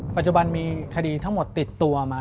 ปัจจุบันมีคดีทั้งหมดติดตัวมา